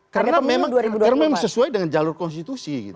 karena memang sesuai dengan jalur konstitusi